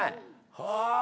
はあ。